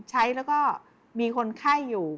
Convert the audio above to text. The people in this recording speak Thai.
ใช้แล้วก็มีคนไข้อยู่